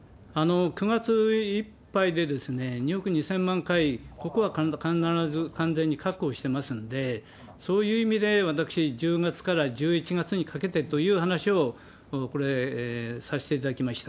９月いっぱいで、２億２０００万回、ここは必ず完全に確保してますんで、そういう意味で、私、１０月から１１月にかけてという話をこれ、させていただきました。